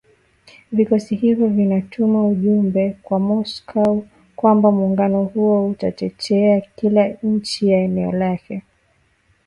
Vikosi hivyo vinatuma ujumbe kwa Moscow kwamba muungano huo utatetea kila nchi ya eneo lake